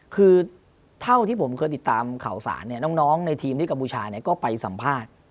คือเท่าที่ผมเคยติดตามข่าวสารเนี่ยน้องในทีมที่กัมพูชาก็ไปสัมภาษณ์